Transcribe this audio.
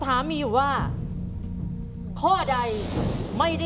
ที่คำตอบที่เป็น